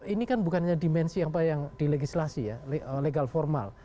ini kan bukannya dimensi apa yang di legislasi ya legal formal